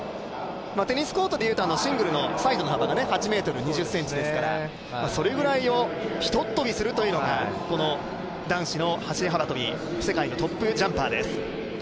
テニスコートでいうと幅が８ｍ２０ｃｍですから、それぐらいをひとっ飛びするというのがこの男子の走り幅跳び、世界のトップジャンパーです。